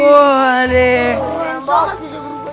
bisa berubah jadi